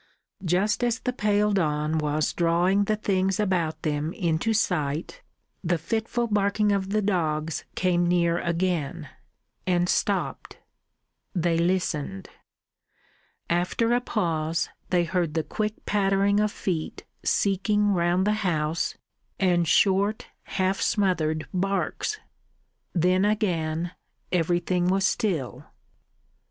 Just as the pale dawn was drawing the things about them into sight, the fitful barking of dogs came near again, and stopped. They listened. After a pause they heard the quick pattering of feet seeking round the house, and short, half smothered barks. Then again everything was still.